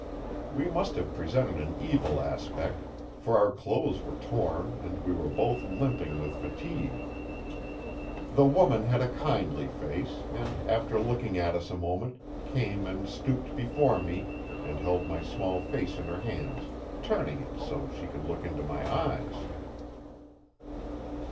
We must have presented an evil aspect, for our clothes were torn and we were both limping with fatigue. The woman had a kindly face and, after looking at us a moment, came and stooped before me and held my small face in her hands turning it so she could look into my eyes.